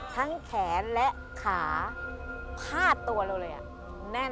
ทั้งแขนและขาผ้าตัวเราเลยอะแน่นเล็ก